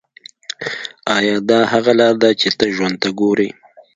ایا دا هغه لاره ده چې ته ژوند ته ګورې